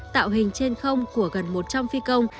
tạo hình trên không của gần một trăm linh phi công